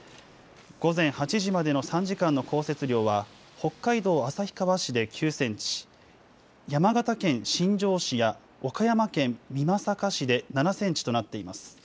午前８時までの３時間の降雪量は北海道旭川市で９センチ、山形県新庄市や岡山県美作市で７センチとなっています。